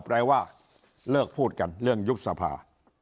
แปลว่าเลิกพูดกันเรื่องยุบสภา